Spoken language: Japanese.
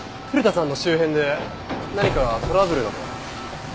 古田さんの周辺で何かトラブルなどは？